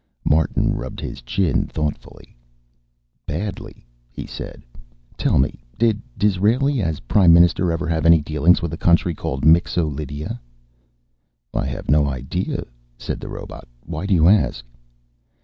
Martin rubbed his chin thoughtfully. "Badly," he said. "Tell me, did Disraeli, as Prime Minister, ever have any dealings with a country called Mixo Lydia?" "I have no idea," said the robot. "Why do you ask?"